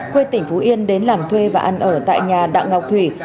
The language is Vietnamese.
quê tỉnh phú yên đến làm thuê và ăn ở tại nhà đặng ngọc thủy